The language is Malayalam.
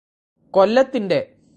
കൊല്ലത്തിന്റെ